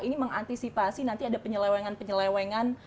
ini mengantisipasi nanti ada penyelewengan penyelewengan